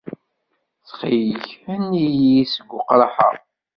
Ttxil-k, henni-iyi seg weqraḥ-a.